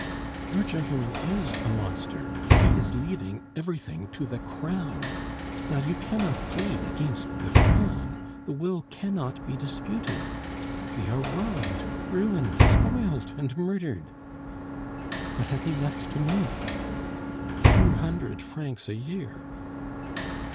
"Your gentleman is a monster. He is leaving everything to the Crown. Now, you cannot plead against the Crown.... The will cannot be disputed.... We are robbed, ruined, spoiled, and murdered!" "What has he left to me?" "Two hundred francs a year."